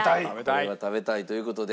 これは食べたいという事で。